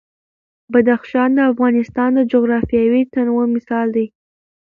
بدخشان د افغانستان د جغرافیوي تنوع مثال دی.